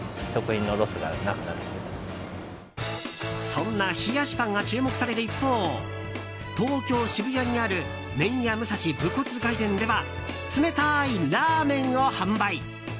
そんな冷やしパンが注目される一方東京・渋谷にある麺屋武蔵武骨外伝では冷たいラーメンを販売。